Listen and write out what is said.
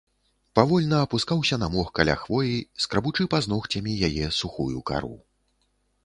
Павольна апускаўся на мох каля хвоі, скрабучы пазногцямі яе сухую кару.